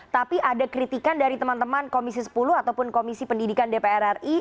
tapi ada kritikan dari teman teman komisi sepuluh ataupun komisi pendidikan dpr ri